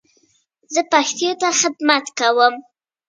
د اسونو روزنه یو ځانګړی کسب و